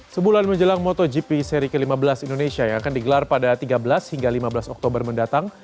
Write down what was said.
sebulan menjelang motogp seri ke lima belas indonesia yang akan digelar pada tiga belas hingga lima belas oktober mendatang